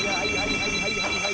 はいはいほいほい。